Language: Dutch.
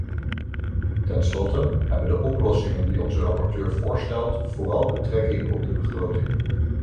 Tenslotte hebben de oplossingen die onze rapporteur voorstelt vooral betrekking op de begroting.